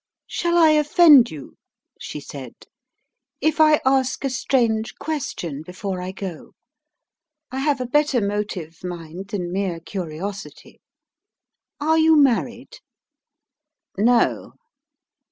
"Shall I offend you," she said, "if I ask a strange question before I go? I have a better motive, mind, than mere curiosity. Are you married?" "No."